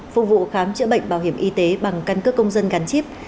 phục vụ khám chữa bệnh bảo hiểm y tế bằng căn cước công dân gắn chip